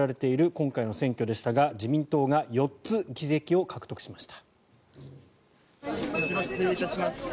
今回の選挙でしたが自民党が４つ議席を獲得しました。